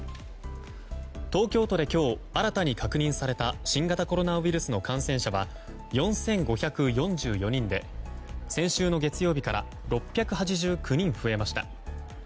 東京都で今日新たに確認された新型コロナウイルスの感染者は４５４４人で先週の月曜日から６８９人増えました。